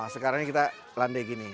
sekarang kita landai gini